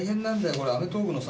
これ『アメトーーク！』のさ